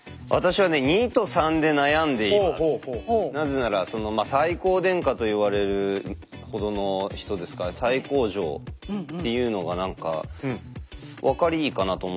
なぜならその太閤殿下と言われるほどの人ですから太閤城っていうのが何か分かりいいかなと思うんですね。